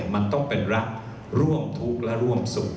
มันต้องเป็นรักร่วมทุกข์และร่วมสุข